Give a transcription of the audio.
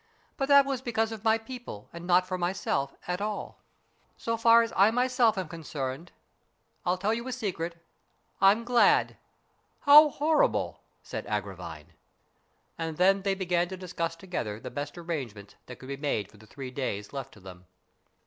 But that was because of my people, and not for myself at all. STORIES IN GREY So far as I myself am concerned I'll tell you a secret I'm glad." " How horrible !" said Agravine. And then they began to discuss together the best arrangements that could be made for the three days left to them.